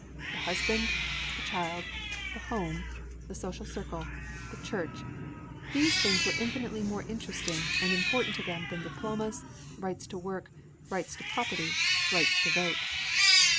The husband, the child, the home, the social circle, the church, these things were infinitely more interesting and important to them than diplomas, rights to work, rights to property, rights to vote.